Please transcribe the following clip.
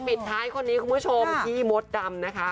ปิดท้ายคนนี้คุณผู้ชมพี่มดดำนะคะ